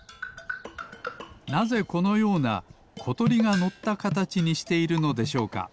なぜこのようなことりがのったかたちにしているのでしょうか？